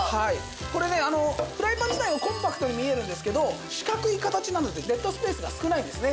これねフライパン自体はコンパクトに見えるんですけど四角い形なのでデッドスペースが少ないんですね。